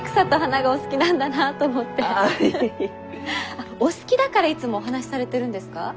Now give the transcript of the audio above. あっお好きだからいつもお話しされてるんですか？